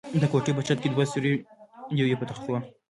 د کوټې په چت کې دوه سوري و، یو یې په تختو.